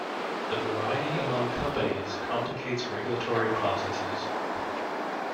The variety among companies complicates regulatory processes.